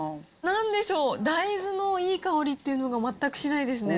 なんでしょう、大豆のいい香りっていうのが、全くしないですね。